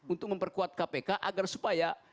untuk memperkuat kpk agar supaya